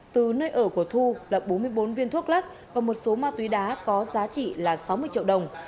từ nơi ở của thu là bốn mươi bốn viên thuốc lắc và một số ma túy đá có giá trị là sáu mươi triệu đồng